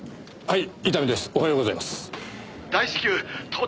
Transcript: はい。